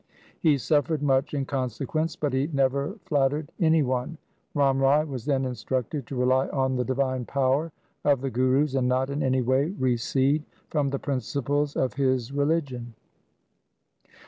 He suffered much in consequence, but he never flattered any one.' Ram Rai was then instructed to rely on the divine power of the Gurus, and not in any way recede from the principles of his religion.